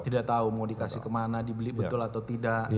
tidak tahu mau dikasih kemana dibeli betul atau tidak